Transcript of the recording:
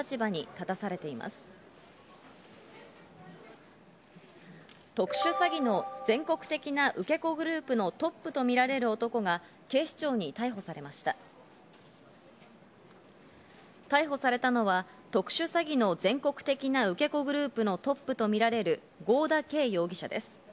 逮捕されたのは、特殊詐欺の全国的な受け子グループのトップとみられる合田圭容疑者です。